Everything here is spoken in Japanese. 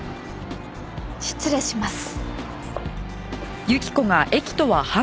失礼します。